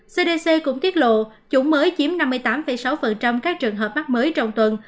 cdc cũng tiết lộ chủng mới chiếm năm mươi tám sáu các trường hợp mắc mới trong tuần